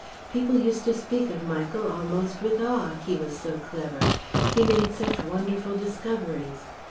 People used to speak of Michael almost with awe, he was so clever, he made such wonderful discoveries.